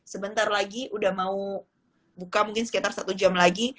sebentar lagi udah mau buka mungkin sekitar satu jam lagi